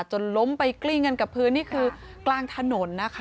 จนล้มไปกลิ้งกันกับพื้นนี่คือกลางถนนนะคะ